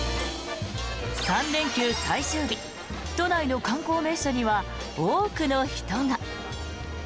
３連休最終日都内の観光名所には多くの人が。